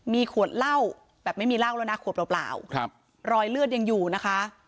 มีขวดเหล้าแบบไม่มีเหล้าแล้วนะขวดเปล่าครับรอยเลือดยังอยู่นะคะ